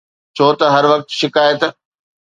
ڇو نه هر وقت شڪايت